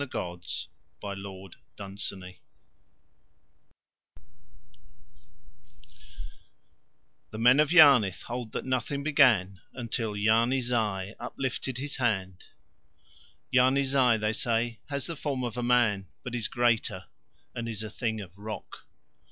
THE MEN OF YARNITH The men of Yarnith hold that nothing began until Yarni Zai uplifted his hand. Yarni Zai, they say, has the form of a man but is greater and is a thing of rock.